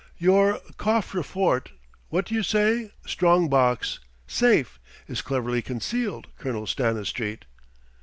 "Your coffre fort what do you say? strong box safe is cleverly concealed, Colonel Stanistreet."